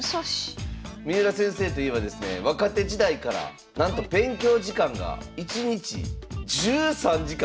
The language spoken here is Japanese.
三浦先生といえばですね若手時代からなんと勉強時間が１日１３時間。